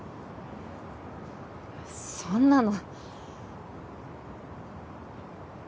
そんなの。